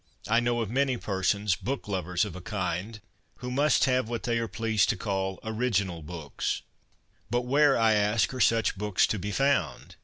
I know of many per sons, book lovers of a kind, who must have what they are pleased to call original books. But where, I ask, are such books to be found